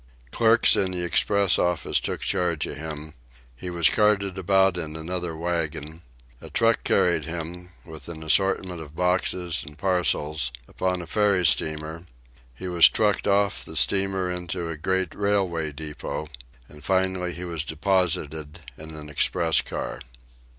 Clerks in the express office took charge of him; he was carted about in another wagon; a truck carried him, with an assortment of boxes and parcels, upon a ferry steamer; he was trucked off the steamer into a great railway depot, and finally he was deposited in an express car.